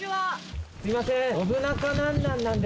すみません